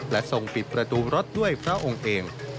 และทรงปิดประตูรถด้วยพระองค์เอง